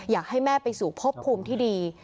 อยากให้แม่ไปสู่พบภูมิที่ดี